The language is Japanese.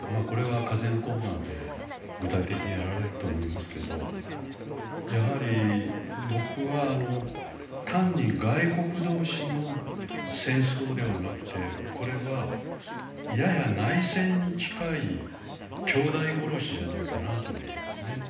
これは「風」のコーナーで具体的にやられると思いますけど、やはり僕は単に外国同士の戦争ではなくてこれはやや内戦に近いきょうだい殺しじゃないかなと思うんですね。